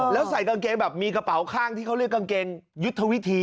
แล้วใส่กางเกงแบบมีกระเป๋าข้างที่เขาเรียกกางเกงยุทธวิธี